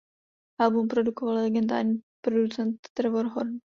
Album produkoval legendární producent Trevor Horn.